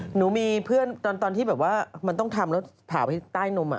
หนูมีเพื่อนตอนที่แบบว่ามันต้องทำแล้วผ่าไปใต้นม